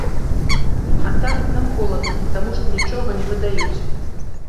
А так, нам холадна, таму што нічога не выдаюць.